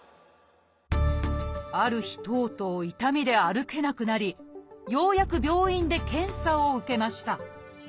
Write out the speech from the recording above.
ある日とうとう痛みで歩けなくなりようやく病院で検査を受けました。